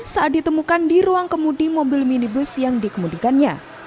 saat ditemukan di ruang kemudi mobil minibus yang dikemudikannya